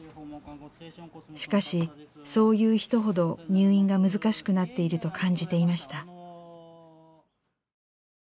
しかしそういう人ほど入院が難しくなっていると感じていました。